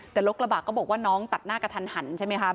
แต่รถกระบะก็บอกว่าน้องตัดหน้ากระทันหันใช่ไหมคะ